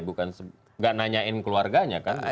bukan nanyain keluarganya kan